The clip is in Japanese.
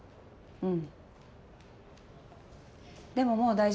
うん。